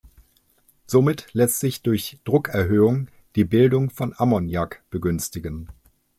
Somit lässt sich durch Druckerhöhung die Bildung von Ammoniak begünstigen.